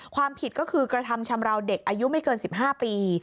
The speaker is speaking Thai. ความผิดก็คือกระทำชำราวเด็กอายุไม่เกิน๑๕ปี